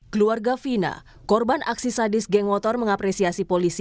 keluarga fina korban aksi sadis geng motor mengapresiasi polisi